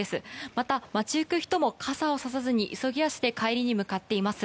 また、街行く人も傘をささずに急ぎ足で帰りに向かっています。